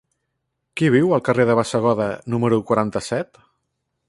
Qui viu al carrer de Bassegoda número quaranta-set?